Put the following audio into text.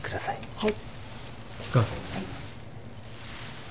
はい。